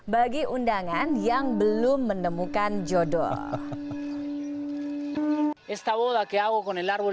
bagi undangan yang belum menemukan jodoh